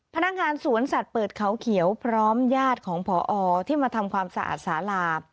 พนักงานสวนสัตว์เปิดเขาเขียวพร้อมญาติของพอที่มาทำความสะอาดสาลา